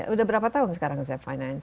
udah berapa tahun sekarang safe finance